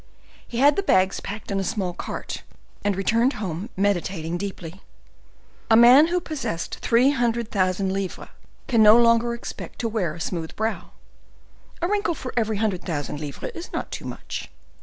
He had the bags packed in a small cart, and returned home meditating deeply. A man who possessed three hundred thousand livres can no longer expect to wear a smooth brow; a wrinkle for every hundred thousand livres is not too much.